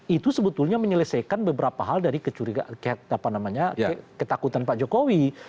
itu sebetulnya menyelesaikan beberapa hal dari ketakutan pak jokowi